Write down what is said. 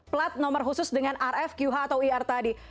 plat nomor khusus dengan rf qh atau ir tadi